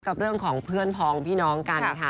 กับเรื่องของเพื่อนพองพี่น้องกันค่ะ